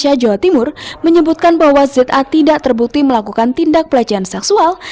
yang semula mengakui bahwa dirinya melakukan pelecehan seksual